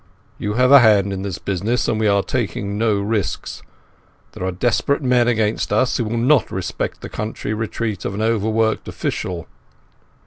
You have a hand in this business and we are taking no risks. There are desperate men against us, who will not respect the country retreat of an overworked official."